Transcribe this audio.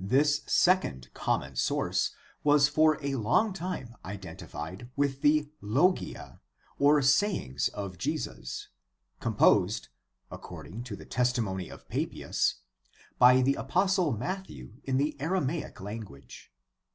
This second common source was for a long time identified with the Logia or Sayings of Jesus composed, according to the testimony of Papias, by the apostle Matthew in the Aramaic language.